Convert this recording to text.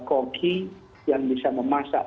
koki yang bisa memasak